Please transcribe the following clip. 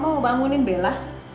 mama mau bangunin bella